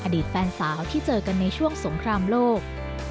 อดีตแฟนสาวที่เจอกันในช่วงสงครามโลก